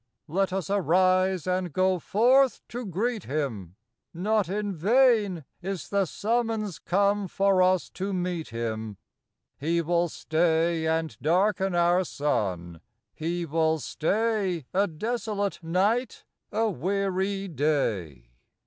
Let us arise and go forth to greet him ; Not in vain Is the summons come for us to meet him; He will stay, And darken our sun ; He will stay A desolate night, a weary day.